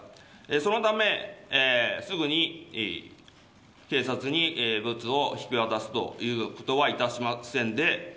そのため、すぐに警察にぶつを引き渡すということはいたしませんで。